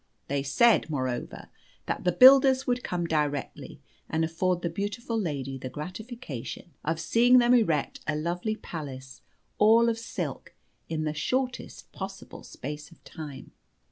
They said, moreover, that the builders would come directly, and afford the beautiful lady the gratification of seeing them erect a lovely palace, all of silk, in the shortest possible space of time.